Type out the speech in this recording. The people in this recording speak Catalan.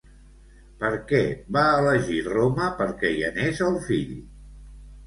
Per què va elegir Roma perquè hi anés el fill?